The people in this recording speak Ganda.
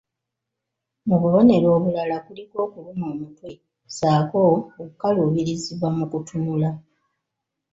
Mu bubonero obulala kuliko okulumwa omutwe, ssaako okukaluubirizibwa mu kutunula